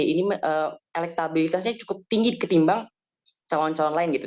ini elektabilitasnya cukup tinggi ketimbang calon calon lain gitu